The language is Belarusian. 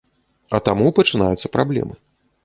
А таму пачынаюцца праблемы.